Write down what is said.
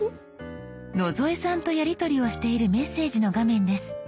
野添さんとやりとりをしているメッセージの画面です。